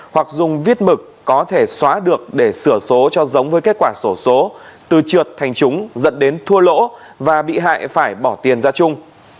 hoặc dùng viết mực có thể xóa được để sửa số cho giống với kết quả sổ số từ trượt thành chúng dẫn đến thua lỗ và bị hại phải bỏ tiền ra chung